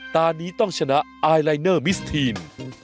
ตอนนี้ต้องชนะไอลายเนอร์มิสทีน